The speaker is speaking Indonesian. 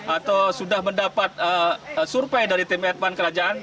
atau sudah mendapat survei dari tim advan kerajaan